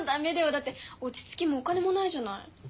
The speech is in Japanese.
だって落ち着きもお金もないじゃない。